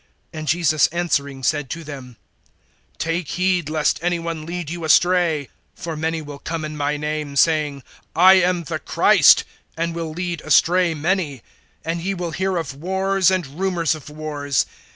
(4)And Jesus answering said to them: Take heed, lest any one lead you astray. (5)For many will come in my name, saying: I am the Christ; and will lead astray many. (6)And ye will hear of wars, and rumors of wars.